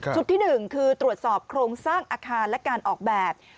ที่๑คือตรวจสอบโครงสร้างอาคารและการออกแบบ